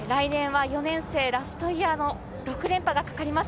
来年は４年生ラストイヤーの６連覇がかかります。